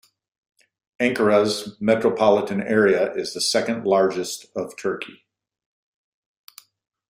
Ankaras metropolitan area is the second largest of Turkey.